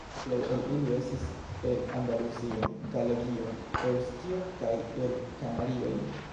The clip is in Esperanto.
Plej el ili estis el Andaluzio, Galegio, Eŭskio kaj el Kanarioj.